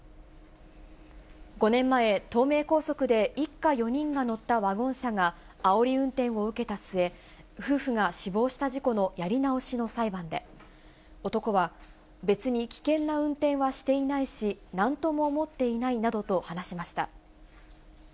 ５年前、東名高速で一家４人が乗ったワゴン車が、あおり運転を受けた末、夫婦が死亡した事故のやり直しの裁判で、男は、別に危険な運転はしていないし、なんとも思っていないなどと、話しました。